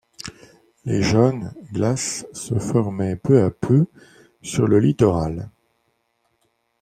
Les jeunes glaces se formaient peu à peu sur le littoral.